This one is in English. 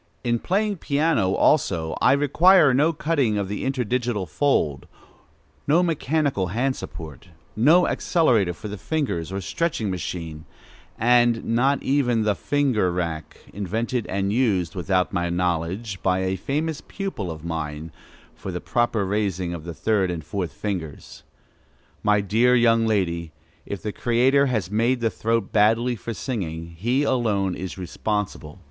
In piano playing also, I require no cutting of the interdigital fold, no mechanical hand support, no accelerator for the fingers or stretching machine; and not even the "finger rack" invented and used, without my knowledge, by a famous pupil[A] of mine, for the proper raising of the third and fourth fingers. My dear young lady, if the Creator has made the throat badly for singing, he alone is responsible.